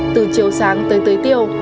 từ chiều sáng tới tươi tiêu